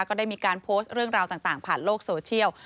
ก็ได้มีการโพสต์เรื่องราวต่างผ่านโลกโซเชียล